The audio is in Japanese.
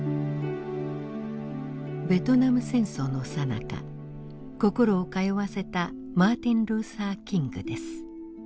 ベトナム戦争のさなか心を通わせたマーティン・ルーサー・キングです。